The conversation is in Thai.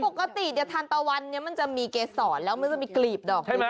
ปกติทันตะวันมันจะมีเกษรแล้วมันจะมีกลีบดอกเลย